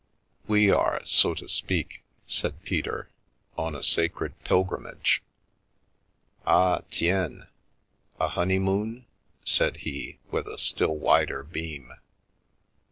" We are, so to speak," said Peter, " on a sacred pil grimage." " Ah, tiens? A honeymoon?" said he, with a still wider beam.